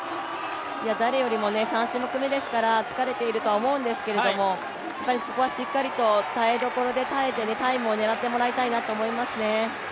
誰よりも、３種目めですから疲れているとは思うんですけどもここはしっかりと耐えどころで耐えてタイムを狙ってもらいたいと思います。